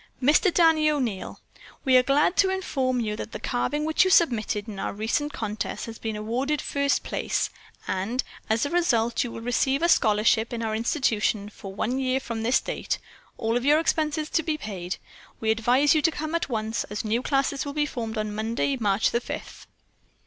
"Mr. Danny O'Neil: We are glad to inform you that the carving which you submitted in our recent contest has been awarded first place, and as a result you will receive a scholarship in our institution for one year from this date, all of your expenses to be paid. We advise you to come at once as new classes will be formed on Monday, March the fifth."